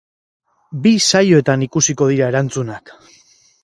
Bi saioetan ikusiko dira erantzunak.